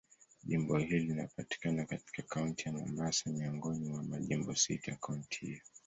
Jimbo hili linapatikana katika Kaunti ya Mombasa, miongoni mwa majimbo sita ya kaunti hiyo.